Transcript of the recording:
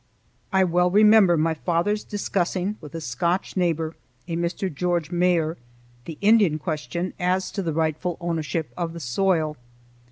I well remember my father's discussing with a Scotch neighbor, a Mr. George Mair, the Indian question as to the rightful ownership of the soil.